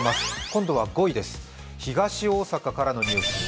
今度は５位です、東大阪からのニュース。